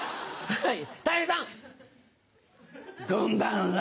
はい。